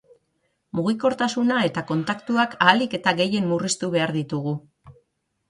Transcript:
Mugikortasuna eta kontaktuak ahalik eta gehien murriztu behar ditugu.